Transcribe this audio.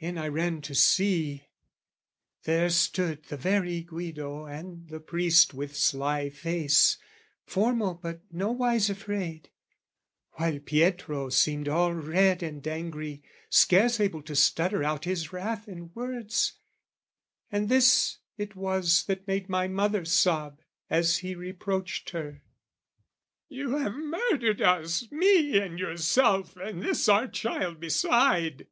In I ran to see. There stood the very Guido and the priest With sly face, formal but nowise afraid, While Pietro seemed all red and angry, scarce Able to stutter out his wrath in words; And this it was that made my mother sob, As he reproached her "You have murdered us, "Me and yourself and this our child beside!"